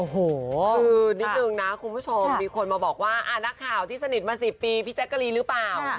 โอ้โหคือนิดนึงนะคุณผู้ชมมีคนมาบอกว่านักข่าวที่สนิทมา๑๐ปีพี่แจ๊กกะลีหรือเปล่า